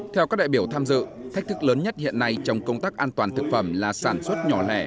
theo các đại biểu tham dự thách thức lớn nhất hiện nay trong công tác an toàn thực phẩm là sản xuất nhỏ lẻ